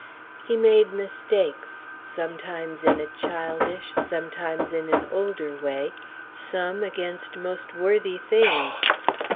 He made mistakes, sometimes in a childish, sometimes in an older way, some against most worthy things.